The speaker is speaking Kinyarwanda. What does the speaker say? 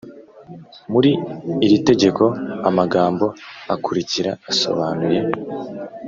Muri iri tegeko amagambo akurikira asobanuye